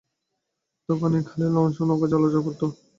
তখন এ খালে লঞ্চ ও নৌকা চলাচল করত।